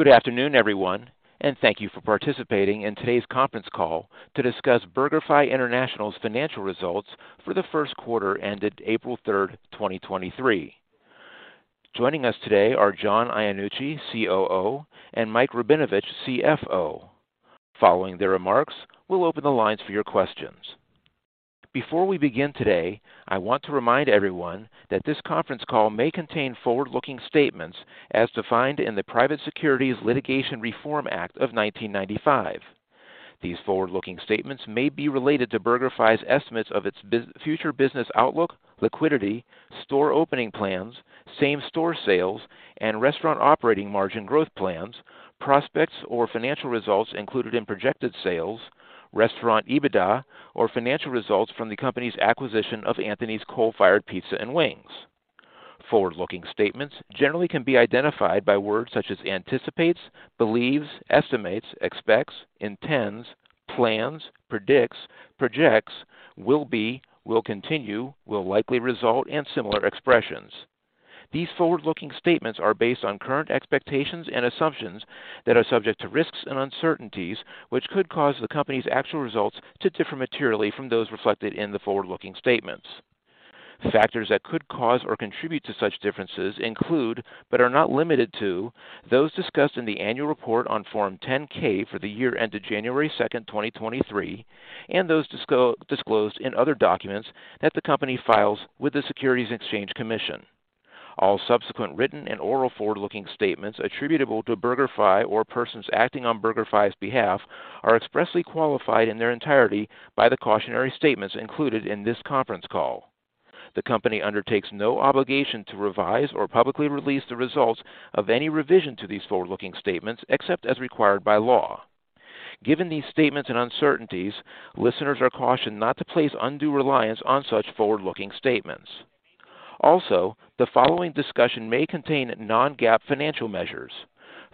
Good afternoon, everyone, and thank you for participating in today's conference call to discuss BurgerFi International's financial results for the first quarter ended April 3rd, 2023. Joining us today are John Iannucci, COO, and Mike Rabinovitch, CFO. Following their remarks, we'll open the lines for your questions. Before we begin today, I want to remind everyone that this conference call may contain forward-looking statements as defined in the Private Securities Litigation Reform Act of 1995. These forward-looking statements may be related to BurgerFi's estimates of its future business outlook, liquidity, store opening plans, same-store sales, and restaurant operating margin growth plans, prospects or financial results included in projected sales, restaurant EBITDA, or financial results from the company's acquisition of Anthony's Coal Fired Pizza & Wings. Forward-looking statements generally can be identified by words such as anticipates, believes, estimates, expects, intends, plans, predicts, projects, will be, will continue, will likely result, and similar expressions. These forward-looking statements are based on current expectations and assumptions that are subject to risks and uncertainties, which could cause the company's actual results to differ materially from those reflected in the forward-looking statements. Factors that could cause or contribute to such differences include, but are not limited to, those discussed in the annual report on Form 10-K for the year ended January 2nd, 2023, and those disclosed in other documents that the company files with the Securities and Exchange Commission. All subsequent written and oral forward-looking statements attributable to BurgerFi or persons acting on BurgerFi's behalf are expressly qualified in their entirety by the cautionary statements included in this conference call. The company undertakes no obligation to revise or publicly release the results of any revision to these forward-looking statements, except as required by law. Given these statements and uncertainties, listeners are cautioned not to place undue reliance on such forward-looking statements. Also, the following discussion may contain non-GAAP financial measures.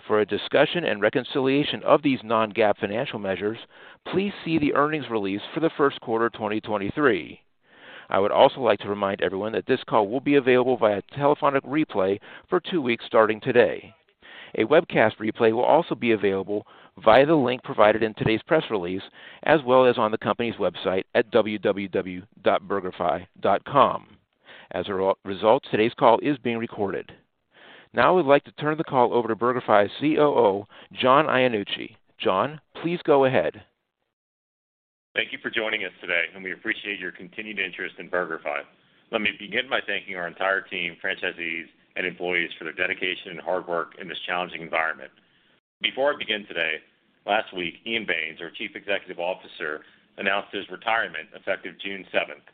For a discussion and reconciliation of these non-GAAP financial measures, please see the earnings release for the first quarter, 2023. I would also like to remind everyone that this call will be available via telephonic replay for two weeks starting today. A webcast replay will also be available via the link provided in today's press release, as well as on the company's website at www.BurgerFi.com. As a result, today's call is being recorded. I would like to turn the call over to BurgerFi's COO, John Iannucci. John, please go ahead. Thank you for joining us today. We appreciate your continued interest in BurgerFi. Let me begin by thanking our entire team, franchisees, and employees for their dedication and hard work in this challenging environment. Before I begin today, last week, Ian Baines, our Chief Executive Officer, announced his retirement effective June seventh.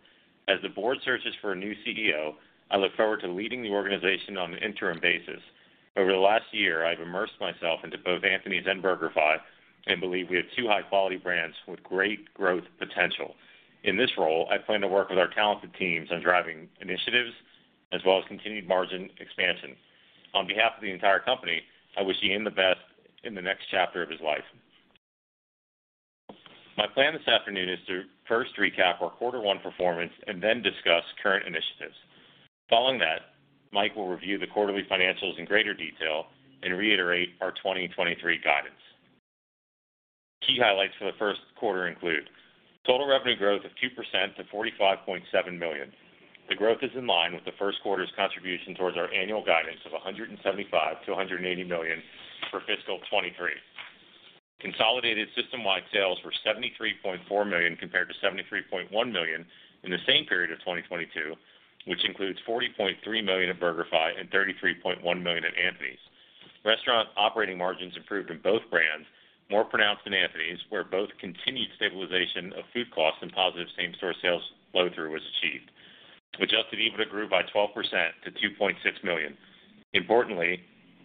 As the board searches for a new CEO, I look forward to leading the organization on an interim basis. Over the last year, I've immersed myself into both Anthony's and BurgerFi and believe we have two high-quality brands with great growth potential. In this role, I plan to work with our talented teams on driving initiatives as well as continued margin expansion. On behalf of the entire company, I wish Ian the best in the next chapter of his life. My plan this afternoon is to first recap our quarter one performance and then discuss current initiatives. Following that, Mike will review the quarterly financials in greater detail and reiterate our 2023 guidance. Key highlights for the first quarter include total revenue growth of 2% to $45.7 million. The growth is in line with the first quarter's contribution towards our annual guidance of $175 million-$180 million for fiscal 2023. Consolidated system-wide sales were $73.4 million compared to $73.1 million in the same period of 2022, which includes $40.3 million in BurgerFi and $33.1 million in Anthony's. Restaurant operating margins improved in both brands, more pronounced in Anthony's, where both continued stabilization of food costs and positive same-store sales flow-through was achieved. Adjusted EBITDA grew by 12% to $2.6 million. Importantly,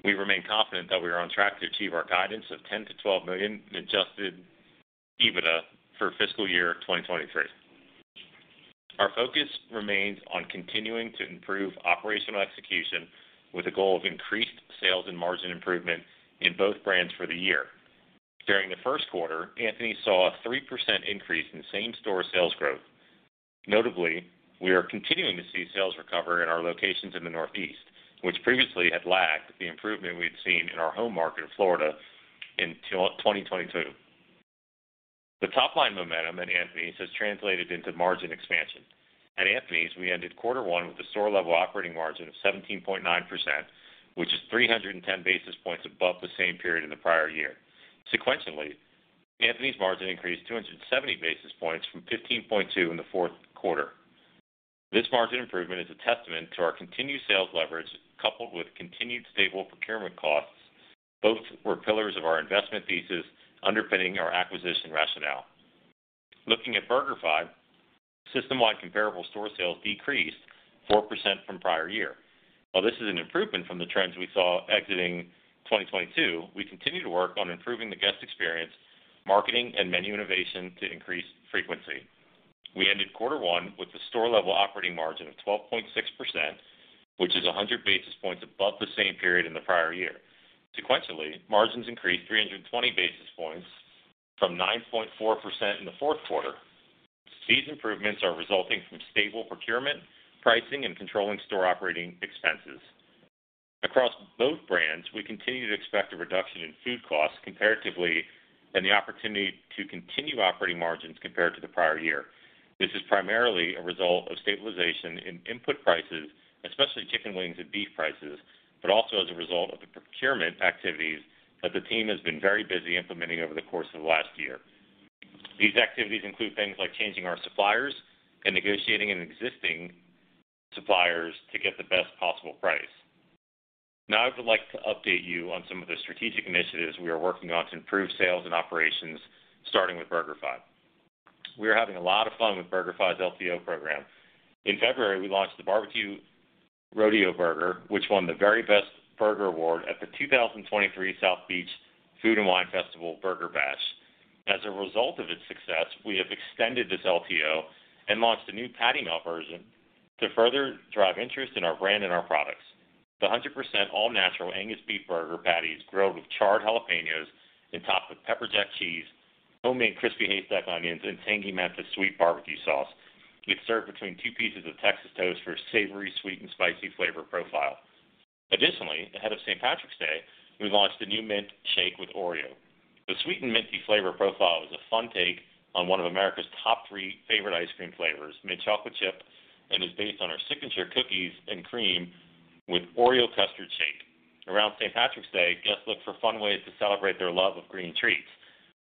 we remain confident that we are on track to achieve our guidance of $10 million-$12 million in Adjusted EBITDA for fiscal year 2023. Our focus remains on continuing to improve operational execution with a goal of increased sales and margin improvement in both brands for the year. During the first quarter, Anthony's saw a 3% increase in same-store sales growth. Notably, we are continuing to see sales recover in our locations in the Northeast, which previously had lacked the improvement we had seen in our home market of Florida in 2022. The top-line momentum at Anthony's has translated into margin expansion. At Anthony's, we ended Q1 with a store-level operating margin of 17.9%, which is 310 basis points above the same period in the prior year. Sequentially, Anthony's margin increased 270 basis points from 15.2% in the fourth quarter. This margin improvement is a testament to our continued sales leverage coupled with continued stable procurement costs. Both were pillars of our investment thesis underpinning our acquisition rationale. Looking at BurgerFi, system-wide comparable store sales decreased 4% from prior year. While this is an improvement from the trends we saw exiting 2022, we continue to work on improving the guest experience, marketing, and menu innovation to increase frequency. We ended Q1 with a store-level operating margin of 12.6%, which is 100 basis points above the same period in the prior year. Sequentially, margins increased 320 basis points from 9.4% in the fourth quarter. These improvements are resulting from stable procurement, pricing and controlling Store Operating Expenses. Across both brands, we continue to expect a reduction in food costs comparatively and the opportunity to continue operating margins compared to the prior year. This is primarily a result of stabilization in input prices, especially chicken wings and beef prices, but also as a result of the procurement activities that the team has been very busy implementing over the course of last year. These activities include things like changing our suppliers and negotiating in existing suppliers to get the best possible price. I would like to update you on some of the strategic initiatives we are working on to improve sales and operations, starting with BurgerFi. We are having a lot of fun with BurgerFi's LTO program. In February, we launched the BBQ Rodeo Burger, which won The Very Best Burger Award at the 2023 South Beach Wine & Food Festival Burger Bash. As a result of its success, we have extended this LTO and launched a new patty melt version to further drive interest in our brand and our products. All-Natural Angus Beef patties grilled with charred jalapeños and topped with pepper jack cheese, homemade crispy haystack onions and tangy Memphis Sweet BBQ sauce. It's served between two pieces of Texas Toast for a savory, sweet and spicy flavor profile. Ahead of St. Patrick's Day, we launched a new mint shake with Oreo. The sweet and minty flavor profile was a fun take on one of America's top three favorite ice cream flavors, mint chocolate chip, and is based on our signature cookies and cream with Oreo custard shake. Around St. Patrick's Day, guests look for fun ways to celebrate their love of green treats.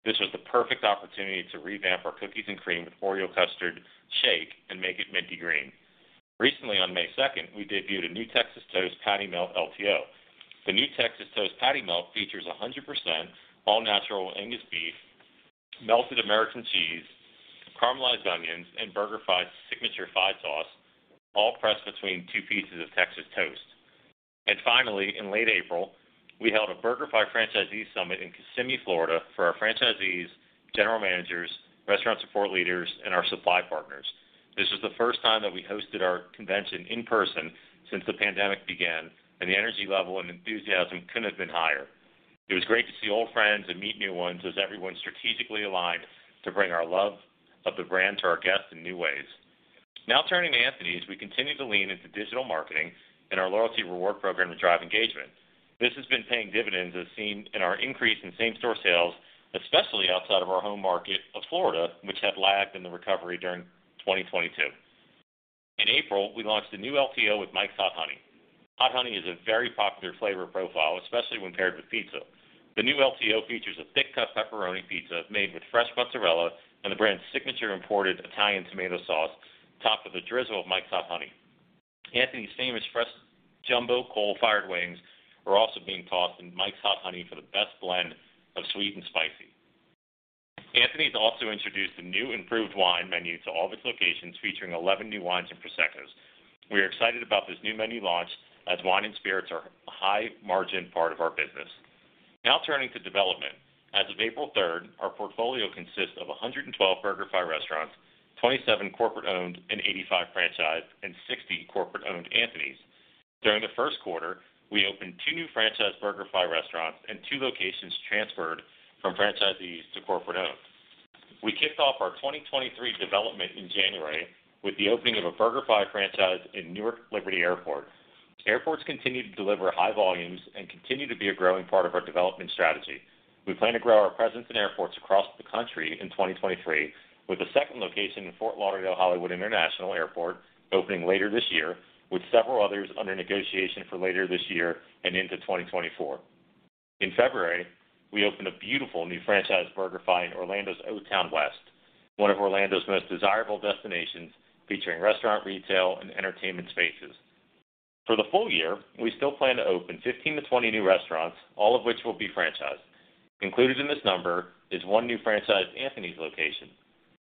This was the perfect opportunity to revamp our cookies and cream with Oreo custard shake and make it minty green. Recently, on May second, we debuted a new Texas Toast Patty Melt LTO. The new Texas Toast Patty Melt features a 100% All-Natural Angus Beef, melted American cheese, caramelized onions and BurgerFi's signature Fi Sauce, all pressed between two pieces of Texas Toast. Finally, in late April, we held a BurgerFi Franchisee Summit in Kissimmee, Florida, for our franchisees, general managers, restaurant support leaders, and our supply partners. This was the first time that we hosted our convention in person since the pandemic began, and the energy level and enthusiasm couldn't have been higher. It was great to see old friends and meet new ones as everyone strategically aligned to bring our love of the brand to our guests in new ways. Now turning to Anthony's. We continue to lean into digital marketing and our loyalty reward program to drive engagement. This has been paying dividends as seen in our increase in same-store sales, especially outside of our home market of Florida, which had lagged in the recovery during 2022. In April, we launched a new LTO with Mike's Hot Honey. Hot Honey is a very popular flavor profile, especially when paired with pizza. The new LTO features a thick-cut pepperoni pizza made with fresh mozzarella and the brand's signature imported Italian tomato sauce, topped with a drizzle of Mike's Hot Honey. Anthony's famous fresh jumbo coal-fired wings are also being tossed in Mike's Hot Honey for the best blend of sweet and spicy. Anthony's also introduced a new improved wine menu to all of its locations, featuring 11 new wines and Proseccos. We are excited about this new menu launch as wine and spirits are a high margin part of our business. Turning to development. As of April 3rd, our portfolio consists of 12 BurgerFi restaurants, 27 corporate owned and 85 franchise, and 60 corporate owned Anthony's. During the first quarter, we opened two new franchise BurgerFi restaurants and two locations transferred from franchisees to corporate owned. We kicked off our 2023 development in January with the opening of a BurgerFi franchise in Newark Liberty Airport. Airports continue to deliver high volumes and continue to be a growing part of our development strategy. We plan to grow our presence in airports across the country in 2023, with a second location in Fort Lauderdale-Hollywood International Airport opening later this year, with several others under negotiation for later this year and into 2024. In February, we opened a beautiful new franchise BurgerFi in Orlando's O-Town West, one of Orlando's most desirable destinations, featuring restaurant retail and entertainment spaces. For the full year, we still plan to open 15-20 new restaurants, all of which will be franchised. Included in this number is one new franchised Anthony's location.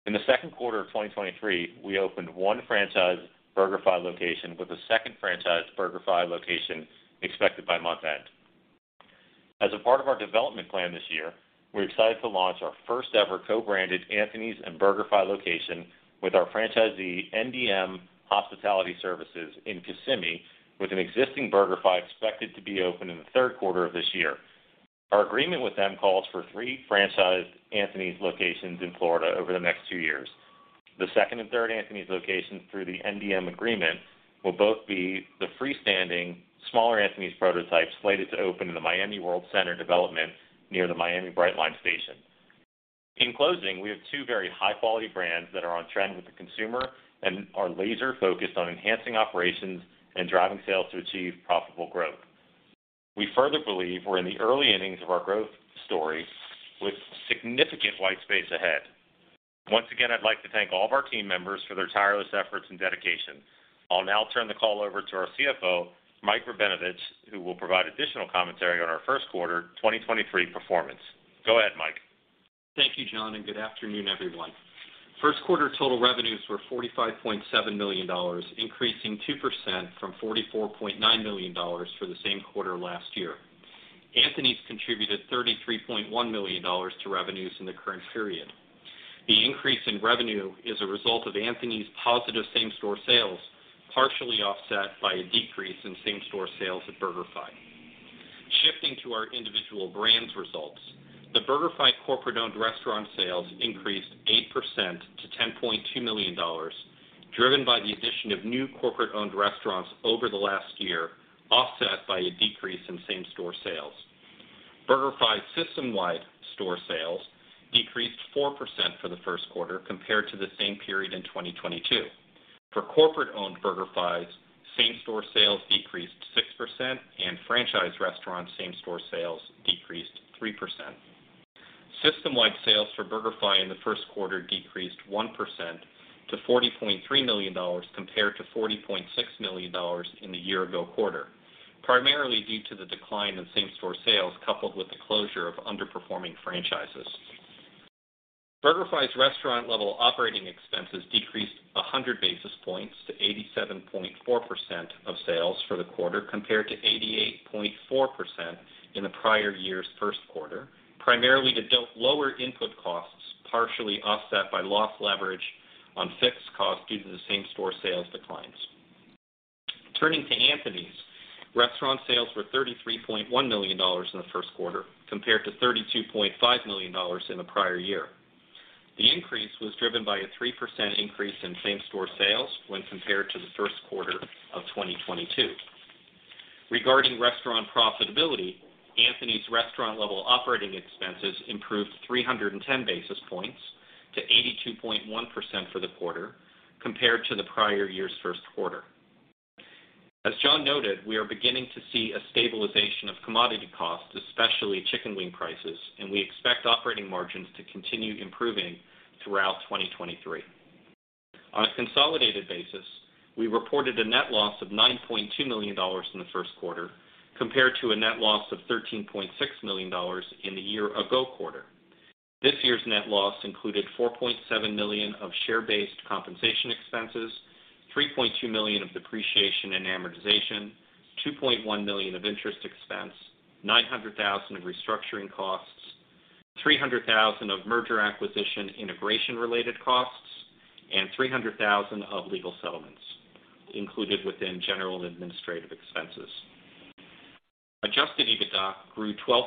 In the second quarter of 2023, we opened one franchised BurgerFi location with a second franchised BurgerFi location expected by month-end. As a part of our development plan this year, we're excited to launch our first ever co-branded Anthony's and BurgerFi location with our franchisee NDM Hospitality Services in Kissimmee, with an existing BurgerFi expected to be open in the third quarter of this year. Our agreement with them calls for three franchised Anthony's locations in Florida over the next two years. The second and third Anthony's locations through the NDM agreement will both be the freestanding, smaller Anthony's prototypes slated to open in the Miami World Center Development near the Miami Brightline Station. In closing, we have two very high-quality brands that are on trend with the consumer and are laser focused on enhancing operations and driving sales to achieve profitable growth. We further believe we're in the early innings of our growth story with significant white space ahead. Once again, I'd like to thank all of our team members for their tireless efforts and dedication. I'll now turn the call over to our CFO, Mike Rabinovitch, who will provide additional commentary on our first quarter 2023 performance. Go ahead, Mike. Thank you, John, and good afternoon, everyone. First quarter total revenues were $45.7 million, increasing 2% from $44.9 million for the same quarter last year. Anthony's contributed $33.1 million to revenues in the current period. The increase in revenue is a result of Anthony's positive same-store sales, partially offset by a decrease in same-store sales at BurgerFi. Shifting to our individual brands results. The BurgerFi corporate-owned restaurant sales increased 8% to $10.2 million, driven by the addition of new corporate-owned restaurants over the last year, offset by a decrease in same-store sales. BurgerFi's system-wide store sales decreased 4% for the first quarter compared to the same period in 2022. For corporate-owned BurgerFis, same-store sales decreased 6% and franchise restaurant same-store sales decreased 3%. System-wide sales for BurgerFi in the first quarter decreased 1% to $40.3 million compared to $40.6 million in the year-ago quarter, primarily due to the decline in same-store sales coupled with the closure of underperforming franchises. BurgerFi's restaurant-level Operating Expenses decreased 100 basis points to 87.4% of sales for the quarter, compared to 88.4% in the prior year's first quarter, primarily to lower input costs, partially offset by loss leverage on fixed costs due to the same-store sales declines. Turning to Anthony's. Restaurant sales were $33.1 million in the first quarter compared to $32.5 million in the prior year. The increase was driven by a 3% increase in same-store sales when compared to the first quarter of 2022. Regarding restaurant profitability, Anthony's restaurant level operating expenses improved 310 basis points to 82.1% for the quarter, compared to the prior year's first quarter. As John noted, we are beginning to see a stabilization of commodity costs, especially chicken wing prices, and we expect operating margins to continue improving throughout 2023. On a consolidated basis, we reported a net loss of $9.2 million in the first quarter compared to a net loss of $13.6 million in the year ago quarter. This year's net loss included $4.7 million of share-based compensation expenses, $3.2 million of depreciation and amortization, $2.1 million of interest expense, $900,000 of restructuring costs, $300,000 of merger acquisition integration related costs, and $300,000 of legal settlements included within general administrative expenses. Adjusted EBITDA grew 12%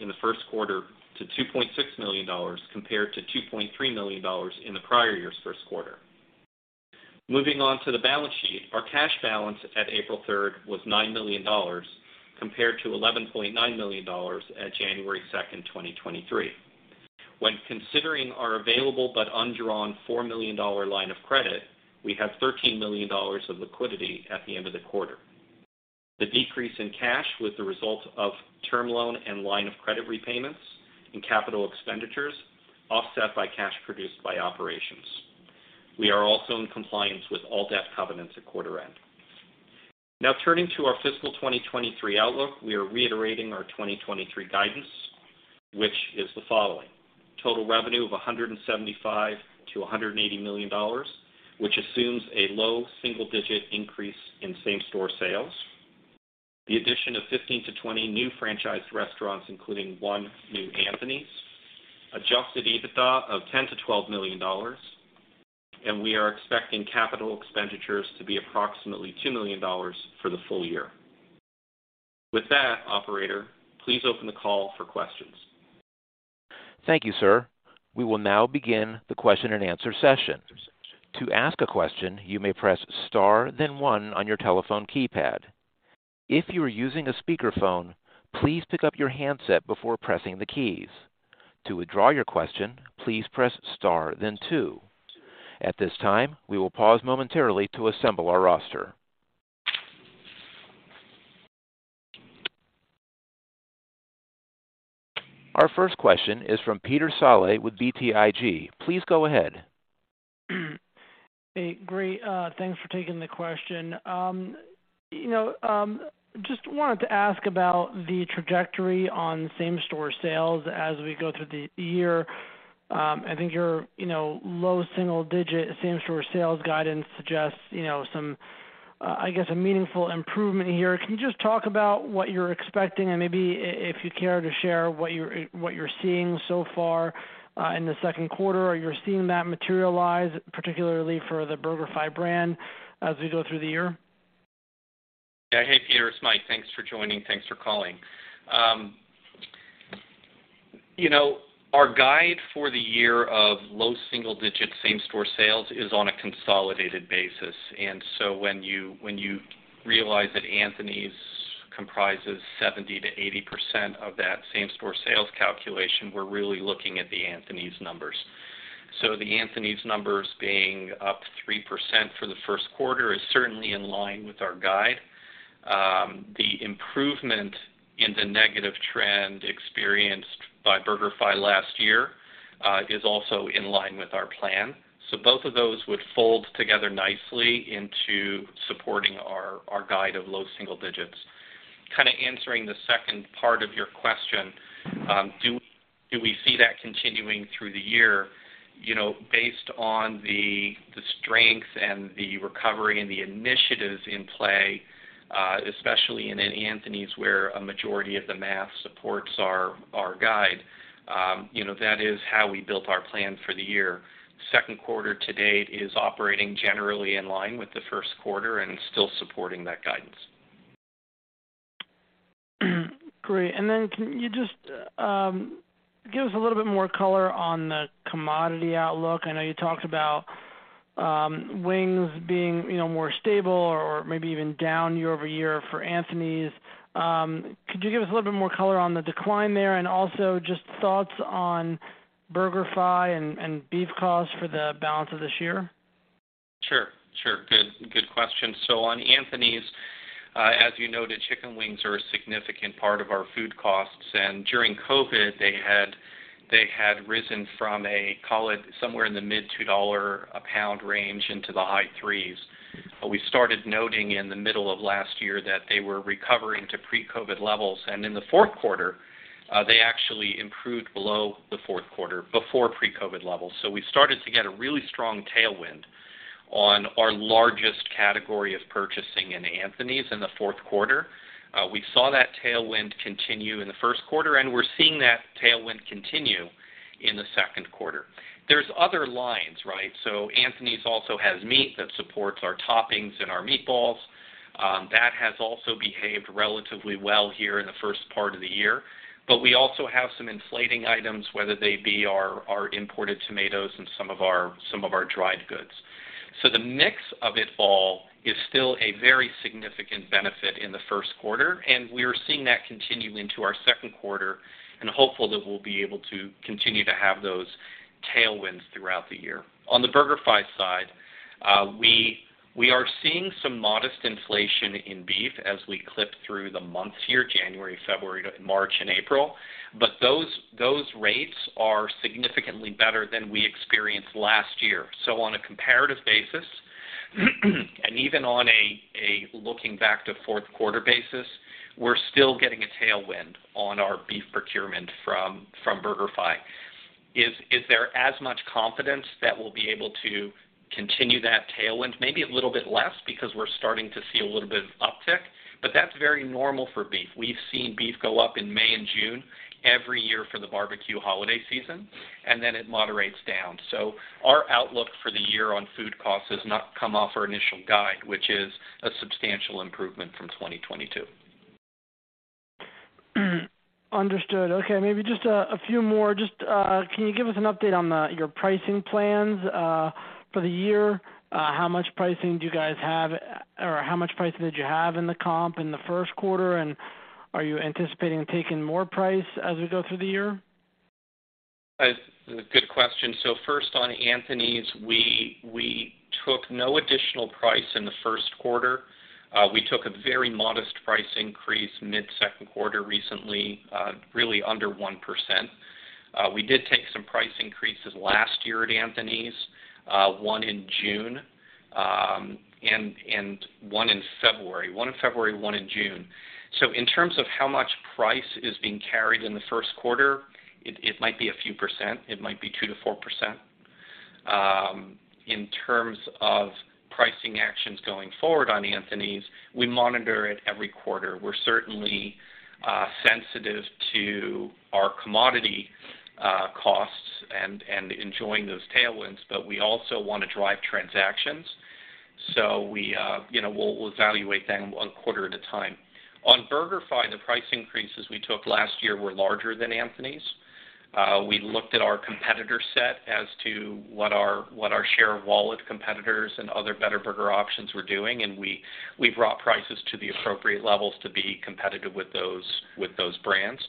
in the first quarter to $2.6 million compared to $2.3 million in the prior year's first quarter. Moving on to the balance sheet. Our cash balance at April 3rd was $9 million compared to $11.9 million at January 2nd, 2023. When considering our available but undrawn $4 million line of credit, we have $13 million of liquidity at the end of the quarter. The decrease in cash was the result of term loan and line of credit repayments and capital expenditures offset by cash produced by operations. We are also in compliance with all debt covenants at quarter end. Now turning to our fiscal 2023 outlook. We are reiterating our 2023 guidance, which is the following. Total revenue of $175 million-$180 million, which assumes a low single-digit increase in same-store sales. The addition of 15-20 new franchised restaurants, including 1 new Anthony's. Adjusted EBITDA of $10 million-$12 million. We are expecting capital expenditures to be approximately $2 million for the full year. With that, operator, please open the call for questions. Thank you, sir. We will now begin the Q&A session. To ask a question, you may press Star then one on your telephone keypad. If you are using a speakerphone, please pick up your handset before pressing the keys. To withdraw your question, please press star then two. At this time, we will pause momentarily to assemble our roster. Our first question is from Peter Saleh with BTIG. Please go ahead. Hey, great, thanks for taking the question. You know, just wanted to ask about the trajectory on same-store sales as we go through the year. I think your, you know, low single-digit same-store sales guidance suggests, you know, some, I guess a meaningful improvement here. Can you just talk about what you're expecting and maybe if you care to share what you're seeing so far, in the second quarter? Are you seeing that materialize, particularly for the BurgerFi brand as we go through the year? Yeah. Hey, Peter, it's Mike. Thanks for joining. Thanks for calling. You know, our guide for the year of low single digit same-store sales is on a consolidated basis. When you, when you realize that Anthony's comprises 70%-80% of that same-store sales calculation, we're really looking at the Anthony's numbers. The Anthony's numbers being up 3% for the first quarter is certainly in line with our guide. The improvement in the negative trend experienced by BurgerFi last year is also in line with our plan. Both of those would fold together nicely into supporting our guide of low single digits. Kinda answering the second part of your question. Do we see that continuing through the year? You know, based on the strength and the recovery and the initiatives in play, especially in an Anthony's where a majority of the math supports our guide. You know, that is how we built our plan for the year. Second quarter to date is operating generally in line with the first quarter and still supporting that guidance. Great. Then can you just give us a little bit more color on the commodity outlook? I know you talked about wings being, you know, more stable or maybe even down year-over-year for Anthony's. Could you give us a little bit more color on the decline there? Also just thoughts on BurgerFi and beef costs for the balance of this year? Sure. Good question. On Anthony's, as you noted, chicken wings are a significant part of our food costs, and during COVID, they had risen from a, call it somewhere in the mid $2 a pound range into the high $3s. We started noting in the middle of last year that they were recovering to pre-COVID levels. In the fourth quarter, they actually improved below the fourth quarter, before pre-COVID levels. We started to get a really strong tailwind on our largest category of purchasing in Anthony's in the fourth quarter. We saw that tailwind continue in the first quarter, and we're seeing that tailwind continue in the second quarter. There's other lines, right? Anthony's also has meat that supports our toppings and our meatballs. That has also behaved relatively well here in the first part of the year. We also have some inflating items, whether they be our imported tomatoes and some of our dried goods. The mix of it all is still a very significant benefit in the first quarter, and we are seeing that continue into our second quarter and hopeful that we'll be able to continue to have those tailwinds throughout the year. On the BurgerFi side, we are seeing some modest inflation in beef as we clip through the months here, January, February, March and April. Those rates are significantly better than we experienced last year. On a comparative basis, and even on a looking back to fourth quarter basis, we're still getting a tailwind on our beef procurement from BurgerFi. Is there as much confidence that we'll be able to continue that tailwind? Maybe a little bit less because we're starting to see a little bit of uptick, that's very normal for beef. We've seen beef go up in May and June every year for the BBQ holiday season, then it moderates down. Our outlook for the year on food costs has not come off our initial guide, which is a substantial improvement from 2022. Understood. Okay, maybe just a few more. Just, can you give us an update on your pricing plans for the year? How much pricing do you guys have or how much pricing did you have in the comp in the first quarter? Are you anticipating taking more price as we go through the year? Good question. First on Anthony's, we took no additional price in the first quarter. We took a very modest price increase mid-second quarter recently, really under 1%. We did take some price increases last year at Anthony's, one in June and one in February. One in February, one in June. In terms of how much price is being carried in the first quarter, it might be a few percent, it might be 2%-4%. In terms of pricing actions going forward on Anthony's, we monitor it every quarter. We're certainly sensitive to our commodity costs and enjoying those tailwinds, but we also wanna drive transactions. We, you know, we'll evaluate that one quarter at a time. On BurgerFi, the price increases we took last year were larger than Anthony's. We looked at our competitor set as to what our share of wallet competitors and other better burger options were doing, and we brought prices to the appropriate levels to be competitive with those, with those brands.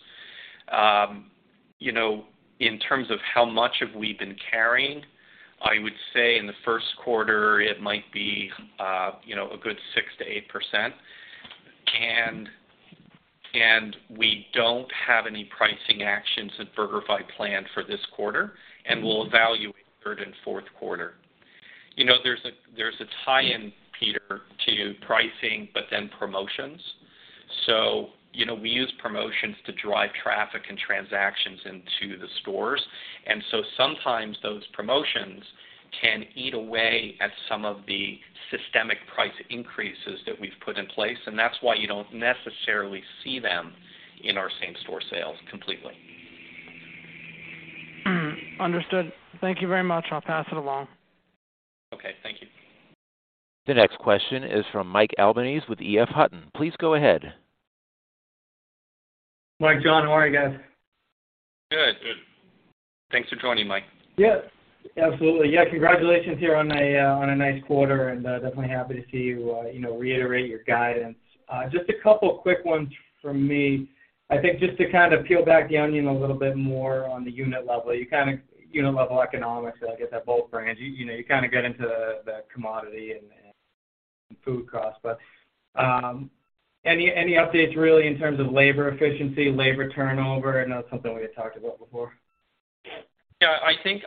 You know, in terms of how much have we been carrying, I would say in the first quarter, it might be, you know, a good 6%-8%. We don't have any pricing actions at BurgerFi planned for this quarter, and we'll evaluate third and fourth quarter. You know, there's a tie-in, Peter, to pricing but then promotions. You know, we use promotions to drive traffic and transactions into the stores. Sometimes those promotions can eat away at some of the systemic price increases that we've put in place, and that's why you don't necessarily see them in our same-store sales completely. Understood. Thank you very much. I'll pass it along. Okay, thank you. The next question is from Mike Albanese with EF Hutton. Please go ahead. Mike, John, how are you guys? Good. Good. Thanks for joining, Mike. Yeah, absolutely. Yeah, congratulations here on a nice quarter. Definitely happy to see you know, reiterate your guidance. Just a couple quick ones from me. I think just to kind of peel back the onion a little bit more on the unit level economics, I guess, at both brands. You, you know, you kinda get into the commodity and food costs. Any, any updates really in terms of labor efficiency, labor turnover? I know that's something we had talked about before. Yeah, I think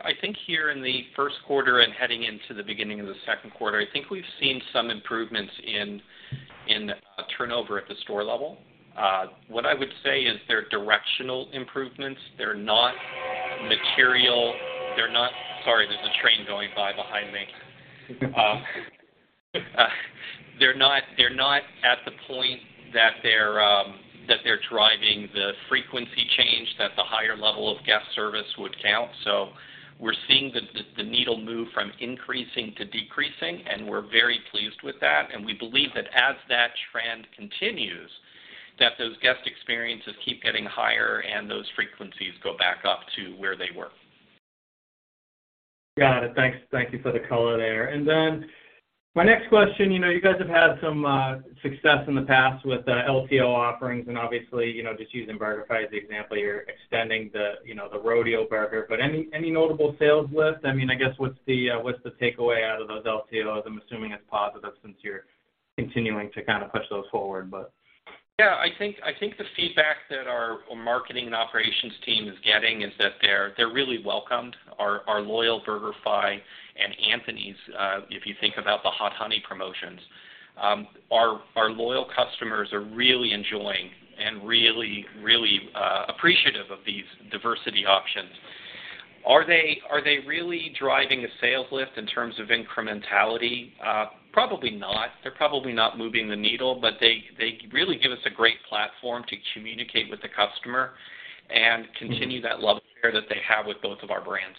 here in the first quarter and heading into the beginning of the second quarter, I think we've seen some improvements in turnover at the store level. What I would say is they're directional improvements. They're not. Sorry, there's a train going by behind me. They're not at the point that they're driving the frequency change that the higher level of guest service would count. We're seeing the needle move from increasing to decreasing, and we're very pleased with that. We believe that as that trend continues, that those guest experiences keep getting higher and those frequencies go back up to where they were. Got it. Thanks. Thank you for the color there. My next question, you know, you guys have had some success in the past with LTO offerings, and obviously, you know, just using BurgerFi as the example, you're extending the, you know, the Rodeo Burger. Any notable sales lift? I mean, I guess what's the, what's the takeaway out of those LTOs? I'm assuming it's positive since you're continuing to kind of push those forward. I think the feedback that our marketing and operations team is getting is that they're really welcomed. Our loyal BurgerFi and Anthony's, if you think about the Hot Honey promotions, our loyal customers are really enjoying and really appreciative of these diversity options. Are they really driving a sales lift in terms of incrementality? Probably not. They're probably not moving the needle, but they really give us a great platform to communicate with the customer and continue that love affair that they have with both of our brands.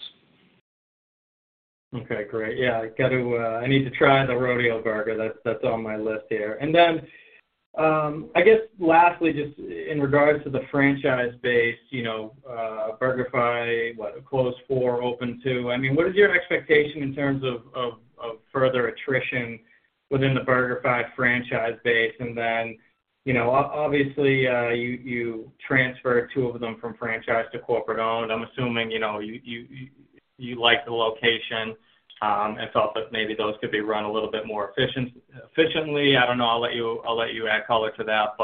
Okay, great. Yeah, I got to, I need to try the Rodeo Burger. That's, that's on my list here. I guess lastly, just in regards to the franchise base, you know, BurgerFi, what, closed four, opened two. I mean, what is your expectation in terms of further attrition within the BurgerFi franchise base? You know, obviously, you transferred two of them from franchise to corporate-owned. I'm assuming, you know, you like the location, and thought that maybe those could be run a little bit more efficiently. I don't know. I'll let you, I'll let you add color to that.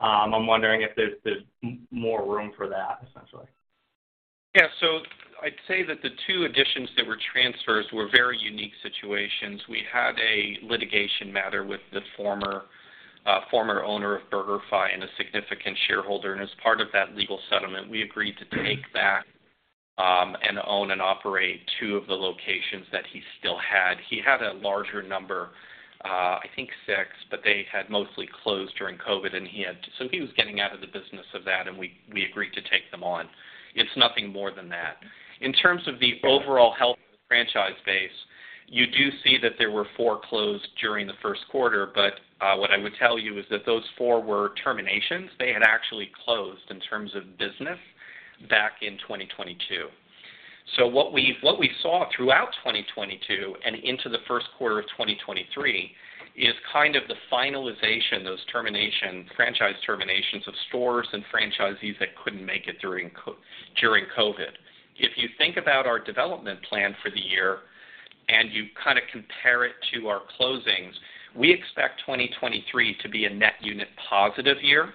I'm wondering if there's more room for that, essentially. I'd say that the two additions that were transfers were very unique situations. We had a litigation matter with the former owner of BurgerFi and a significant shareholder, and as part of that legal settlement, we agreed to take back, and own and operate two of the locations that he still had. He had a larger number, I think six, but they had mostly closed during COVID, and so he was getting out of the business of that, and we agreed to take them on. It's nothing more than that. In terms of the overall health of the franchise base, you do see that there were four closed during the 1st quarter. What I would tell you is that those four were terminations. They had actually closed in terms of business back in 2022. What we saw throughout 2022 and into the first quarter of 2023 is kind of the finalization, those termination, franchise terminations of stores and franchisees that couldn't make it during COVID. If you think about our development plan for the year, and you kinda compare it to our closings, we expect 2023 to be a net unit positive year,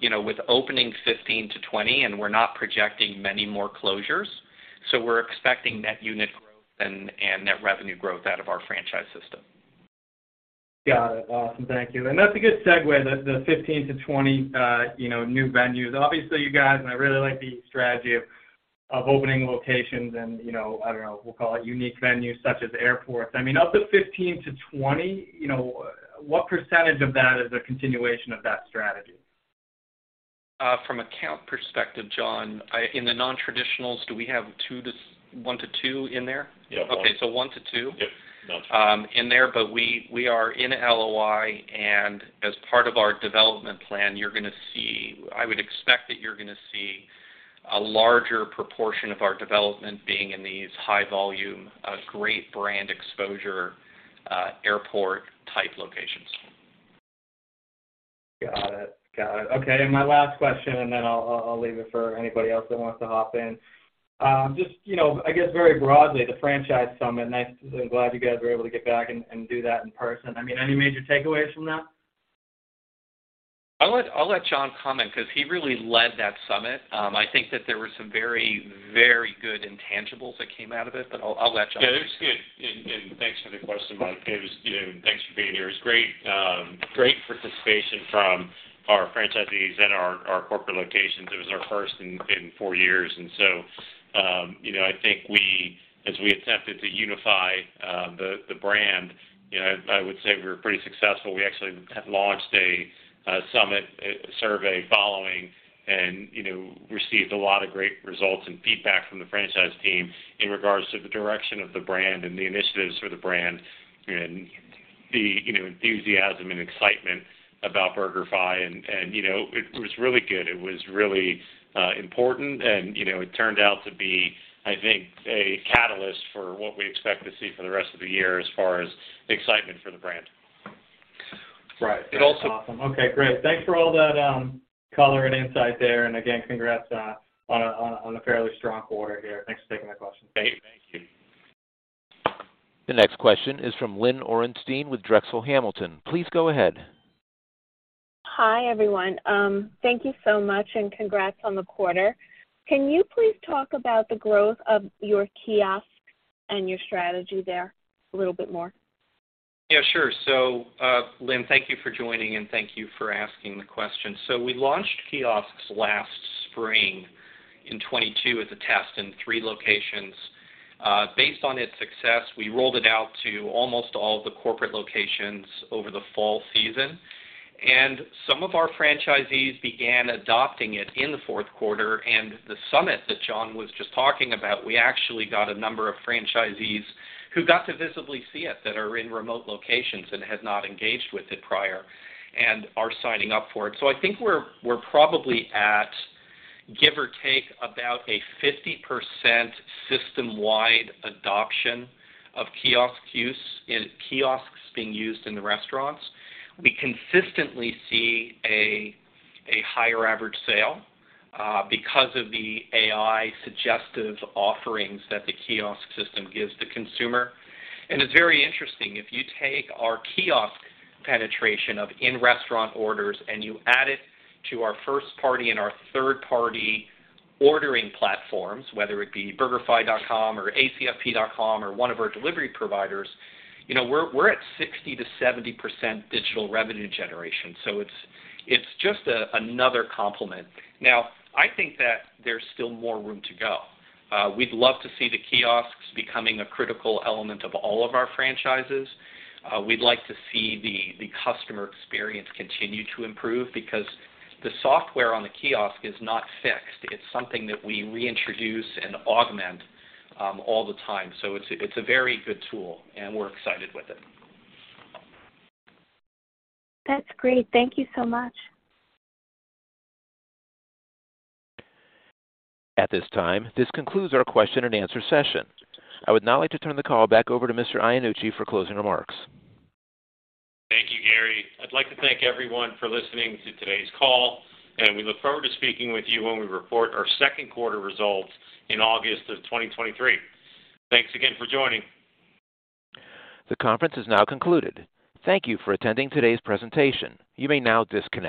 you know, with opening 15-20, and we're not projecting many more closures. We're expecting net unit growth and net revenue growth out of our franchise system. Got it. Awesome. Thank you. That's a good segue, the 15-20, you know, new venues. Obviously, you guys, and I really like the strategy of opening locations and, you know, I don't know, we'll call it unique venues, such as airports. I mean, of the 15-20, you know, what % of that is a continuation of that strategy? From a count perspective, John, in the non-traditionals, do we have one to two in there? Yeah. One. Okay. One to two. Yep. in there. We are in LOI, and as part of our development plan, I would expect that you're gonna see a larger proportion of our development being in these high-volume, great brand exposure, airport-type locations. Got it. Got it. Okay. My last question, then I'll leave it for anybody else that wants to hop in. Just, you know, I guess very broadly, the franchise summit. Nice. I'm glad you guys were able to get back and do that in person. I mean, any major takeaways from that? I'll let John comment because he really led that summit. I think that there were some very, very good intangibles that came out of it, but I'll let John. Yeah. It was good. Thanks for the question, Mike. It was, you know. Thanks for being here. It's great participation from our franchisees and our corporate locations. It was our first in four years. You know, I think as we attempted to unify the brand, you know, I would say we were pretty successful. We actually have launched a summit, a survey following and, you know, received a lot of great results and feedback from the franchise team in regards to the direction of the brand and the initiatives for the brand and the, you know, enthusiasm and excitement about BurgerFi. You know, it was really good. It was really important. You know, it turned out to be, I think, a catalyst for what we expect to see for the rest of the year as far as excitement for the brand. Right. It also- Awesome. Okay, great. Thanks for all that, color and insight there. Again, congrats, on a fairly strong quarter here. Thanks for taking my questions. Thank you. Thank you. The next question is from Lynn Orenstein with Drexel Hamilton. Please go ahead. Hi, everyone. Thank you so much and congrats on the quarter. Can you please talk about the growth of your kiosks and your strategy there a little bit more? Yeah, sure. Lynn, thank you for joining, and thank you for asking the question. We launched kiosks last spring in 2022 as a test in three locations. Based on its success, we rolled it out to almost all of the corporate locations over the fall season. Some of our franchisees began adopting it in the fourth quarter. The summit that John was just talking about, we actually got a number of franchisees who got to visibly see it that are in remote locations and had not engaged with it prior and are signing up for it. I think we're probably at, give or take, about a 50% system-wide adoption of kiosks being used in the restaurants. We consistently see a higher average sale because of the AI suggestive offerings that the kiosk system gives the consumer. It's very interesting. If you take our kiosk penetration of in-restaurant orders and you add it to our first party and our third-party ordering platforms, whether it be BurgerFi.com or acfp.com or one of our delivery providers, you know, we're at 60%-70% digital revenue generation. It's just another complement. I think that there's still more room to go. We'd love to see the kiosks becoming a critical element of all of our franchises. We'd like to see the customer experience continue to improve because the software on the kiosk is not fixed. It's something that we reintroduce and augment all the time. It's a very good tool, and we're excited with it. That's great. Thank you so much. At this time, this concludes our Q&A session. I would now like to turn the call back over to Mr. Iannucci for closing remarks. Thank you, Gary. I'd like to thank everyone for listening to today's call, and we look forward to speaking with you when we report our second quarter results in August of 2023. Thanks again for joining. The conference is now concluded. Thank you for attending today's presentation. You may now disconnect.